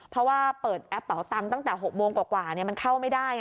เพราะว่าเปิดแอปเป๋าตังค์ตั้งแต่๖โมงกว่ามันเข้าไม่ได้